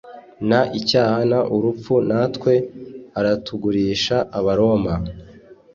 N icyaha n urupfu natwe aratugurisha abaroma